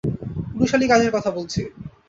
পুরুষালী কাজের কথা বলছি।